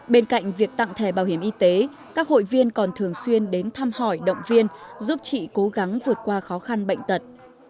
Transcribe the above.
bên cạnh việc tặng thẻ bảo hiểm y tế các hội viên còn thường xuyên đến thăm hỏi động viên giúp chị cố gắng vượt qua khó khăn bệnh tật